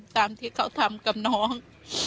ตามที่เขาทำกับน้อง